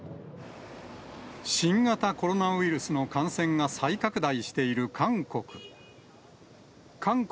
新型コロナウイルスの感染が再拡大している韓国。